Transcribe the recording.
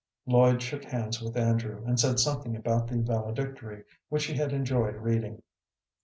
Lloyd shook hands with Andrew, and said something about the valedictory, which he had enjoyed reading.